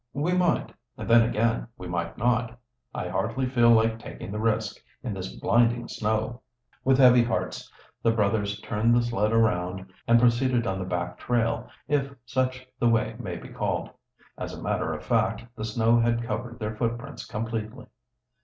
"We might, and then again we might not. I hardly feel like taking the risk in this blinding snow." With heavy hearts the brothers turned the sled around and proceeded on the back trail, if such the way may be called. As a matter of fact, the snow had covered their footprints completely.